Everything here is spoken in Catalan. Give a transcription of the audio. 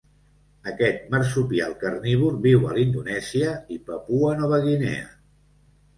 Aquest marsupial carnívor viu a Indonèsia i Papua Nova Guinea.